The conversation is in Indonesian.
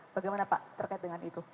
bagaimana pak terkait dengan itu